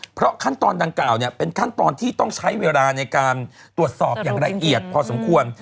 เพราะขั้นตอนดังกล่าวเนี่ยเป็นขั้นตอนที่ต้องใช้เวลาในการตรวจสอบอย่างละเอียดพอสมควร